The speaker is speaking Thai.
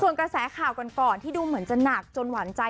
ส่วนกระแสข่าวก่อนที่ดูเหมือนจะหนักจนหวานใจ